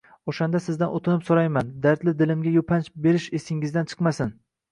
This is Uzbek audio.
O‘shanda, sizdan o ‘tinib so‘rayman, dardli dilimga yupanch berish esingizdan chiqmasin: